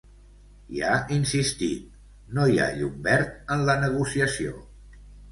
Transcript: I ha insistit: No hi ha llum verd en la negociació.